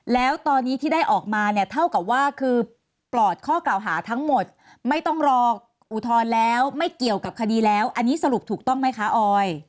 แล้วตอนนี้ที่ได้ออกมาเนี่ยเท่ากับว่าคือปลอดข้อกล่าวหาทั้งหมดไม่ต้องรออุทธรณ์แล้วไม่เกี่ยวกับคดีแล้วอันนี้สรุปถูกต้องไหมคะออย